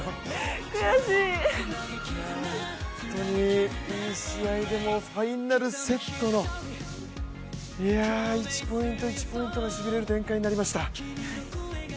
悔しい本当にいい試合でファイナルセットのいや、１ポイント１ポイントがしびれる展開になりました。